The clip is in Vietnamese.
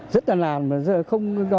rất là làn mà giờ không